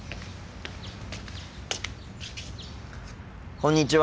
こんにちは。